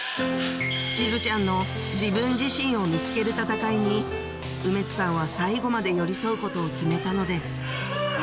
しずちゃんの自分自身を見つける戦いに梅津さんは最後まで寄り添うことを決めたのですはい